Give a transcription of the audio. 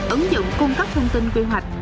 ứng dụng cung cấp thông tin quy hoạch